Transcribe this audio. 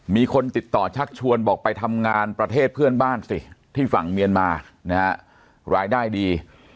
มีคนติดต่อชักชวนบอกไปทำงานประเทศเพื่อนบ้านสิที่ฝั่งเมียนมานะฮะรายได้ดี